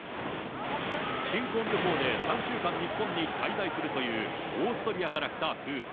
新婚旅行で３週間日本に滞在するという、オーストリアから来た夫婦。